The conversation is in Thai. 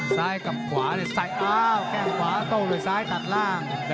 ซ้ายกับขวาแก้งขวาโต้โดยซ้ายตัดล่าง